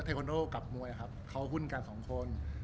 คอนโดกับมวยครับเขาหุ้นกันสองคน